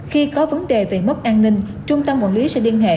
khi có vấn đề về mất an ninh trung tâm quản lý sẽ liên hệ